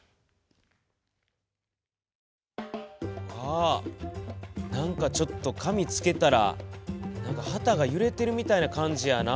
あ何かちょっと紙つけたら旗が揺れてるみたいな感じやな。